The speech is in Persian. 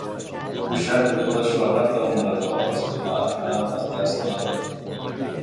او شکل خودش را حتی مدتها پس از مرگ هم از دست نداد.